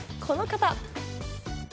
この方！